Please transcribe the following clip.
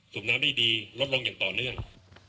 น้ำได้ดีลดลงอย่างต่อเนื่อง